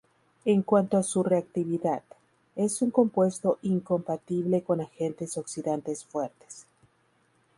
En cuanto a su reactividad, es un compuesto incompatible con agentes oxidantes fuertes.